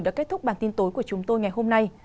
đã kết thúc bản tin tối của chúng tôi ngày hôm nay